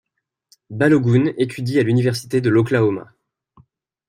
Balogun étudie à l'université de l'Oklahoma.